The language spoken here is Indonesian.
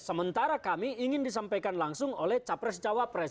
sementara kami ingin disampaikan langsung oleh capres cawapres